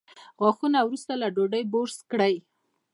غاښونه وروسته له ډوډۍ برس کړئ